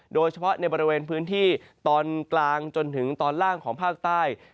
โดยเฉพาะในบริเวณพื้นที่ตอนกลางจนถึงตอนล่างของภาคใต้